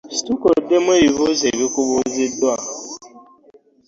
Situka oddemu ebibuuzo ebikubuuziddwa.